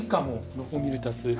ロフォミルタス。